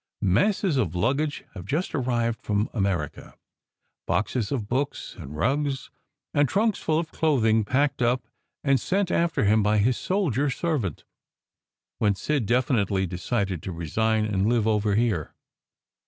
Masses of luggage have just arrived from America: boxes of books and rugs, and trunks full of clothing packed up and sent after him by his soldier servant when Sid definitely decided to resign and live over here.